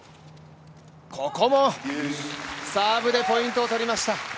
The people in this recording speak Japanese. ここもサーブでポイントを取りました。